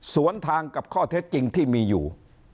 สวนทางกับข้อเท็จจริงที่มีอยู่